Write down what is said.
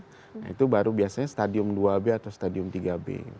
nah itu baru biasanya stadium dua b atau stadium tiga b